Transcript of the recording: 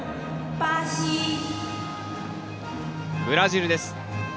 ブラジルです。